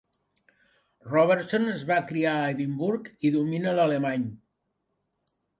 Robertson es va criar a Edimburg i domina l'alemany.